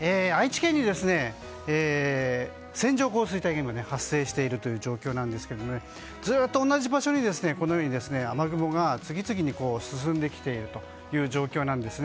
愛知県に線状降水帯が今発生している状況なんですがずっと同じ場所に雨雲が次々に進んできている状況です。